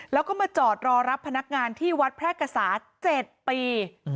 แล้วก็มาจอดรอรับพนักงานที่วัดแพร่กษา๗ปี